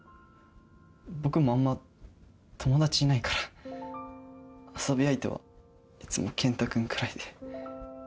僕もあんま友達いないから遊び相手はいつも健太君くらいで。